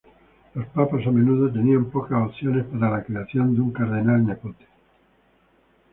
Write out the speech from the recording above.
Los papas a menudo tenían pocas opciones para la creación de un cardenal nepote.